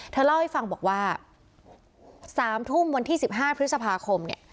เธอเล่าให้ฟังบอกว่า๓ทุ่มวันที่๑๕พฤษภาคมเนี่ย